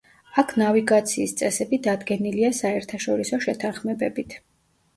აქ ნავიგაციის წესები დადგენილია საერთაშორისო შეთანხმებებით.